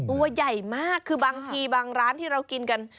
ตัวใหญ่มากคือบางทีบางร้านที่เรากินกัน